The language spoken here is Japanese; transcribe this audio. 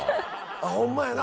ああホンマやな